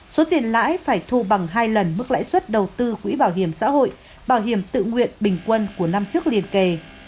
số tiền lãi phải thu bằng hai lần mức lãi suất đầu tư quỹ bảo hiểm xã hội bảo hiểm tự nguyện bình quân của năm trước liên kề